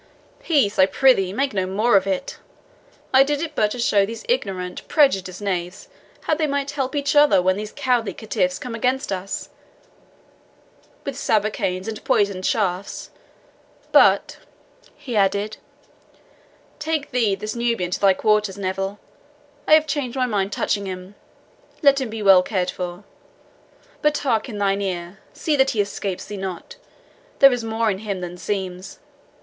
"Peace, I prithee make no more of it. I did it but to show these ignorant, prejudiced knaves how they might help each other when these cowardly caitiffs come against us with sarbacanes and poisoned shafts. But," he added, "take thee this Nubian to thy quarters, Neville I have changed my mind touching him let him be well cared for. But hark in thine ear; see that he escapes thee not there is more in him than seems.